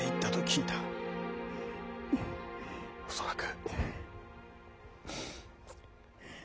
恐らく。